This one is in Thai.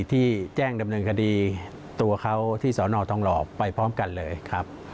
ที่แจ้งดำเนินคดีตัวเขาที่สอนอทองหล่อไปพร้อมกันเลยครับ